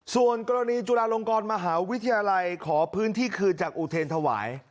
ส่วนกรณีจุฬาลงกรมหาวิทยาลัยขอพื้นที่คืนจากอุเทรนถวาย